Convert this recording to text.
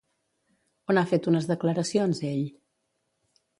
On ha fet unes declaracions ell?